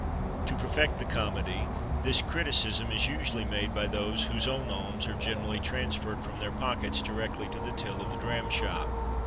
To perfect the comedy, this criticism is usually made by those whose own alms are generally transferred from their pockets directly to the till of the dram shop.